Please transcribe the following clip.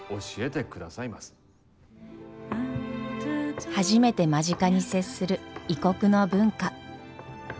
「ランタタン」初めて間近に接する異国の文化。